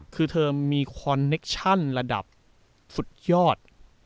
คือเธอมีคอนเนคชั่นระดับสุดยอด